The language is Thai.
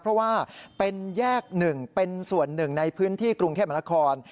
เพราะว่าเป็นแยกหนึ่งเป็นส่วนหนึ่งในพื้นที่กรุงเทพมนาคม